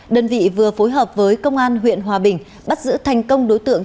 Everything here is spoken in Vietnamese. đơn vị vừa phối hợp với công an huyện hòa bình bắt giữ thành công đối tượng